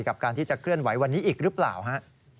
กับการที่จะเคลื่อนไหววันนี้อีกหรือเปล่าฮะ